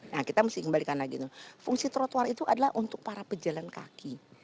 nah kita mesti kembalikan lagi fungsi trotoar itu adalah untuk para pejalan kaki